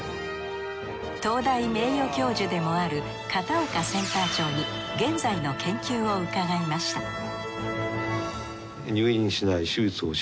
東大名誉教授でもある片岡センター長に現在の研究を伺いました